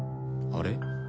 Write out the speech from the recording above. あれ？